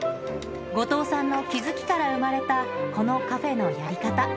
後藤さんの気付きから生まれたこのカフェのやり方。